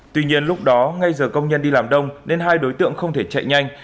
tuy nhiên lúc đó ngay giờ công nhân đi làm đông nên hai đối tượng không thể chạy nhanh